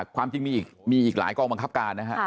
ความจริงมีอีกหลายกองบังคับการนะฮะ